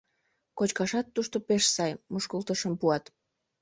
Кочкашат тушто пеш сай, мушкылтышым пуат.